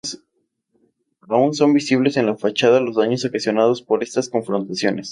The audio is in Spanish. Aún son visibles en la fachada los daños ocasionados por estas confrontaciones.